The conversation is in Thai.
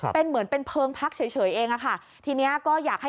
เป็นเหมือนเป็นเพลิงพักเฉยเองอะค่ะทีนี้ก็อยากให้